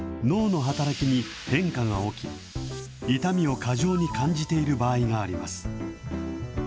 脳の働きに変化が起き、痛みを過剰に感じている場合があります。